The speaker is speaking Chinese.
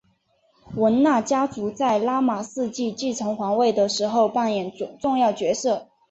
汶那家族在拉玛四世继承皇位的时候扮演重要角色。